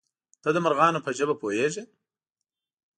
_ته د مرغانو په ژبه پوهېږې؟